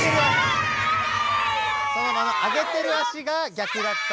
ソノマの上げてる足が逆だった。